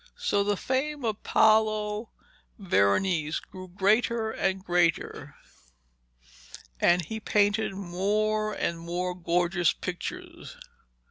So the fame of Paolo Veronese grew greater and greater, and he painted more and more gorgeous pictures.